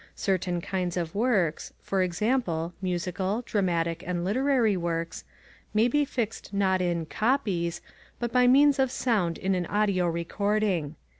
Certain kinds of works for example, musical, dramatic, and literary works may be fixed not in "copies" but by means of sound in an audio recording.